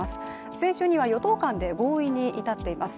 先週には与党間で合意に至っています。